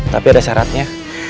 tapi ada syaratnya